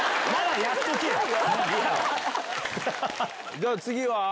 じゃあ次は？